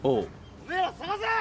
おめえら捜せ！